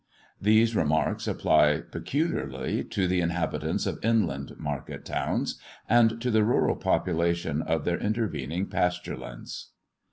These remarks apply peculiarly to the inhabitants of inland market towns, and to the rural population of their intervening pasture lands.